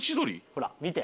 ほら見て。